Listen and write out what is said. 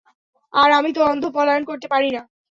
আর আমি তো অন্ধ পলায়ন করতে পারি না।